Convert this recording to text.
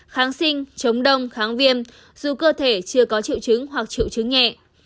kháng sinh chống đông kháng viêm dù cơ thể chưa có triệu chứng hoặc triệu chứng nhẹ